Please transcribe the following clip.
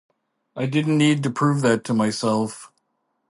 I didn't need to prove that to myself.